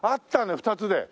２つで。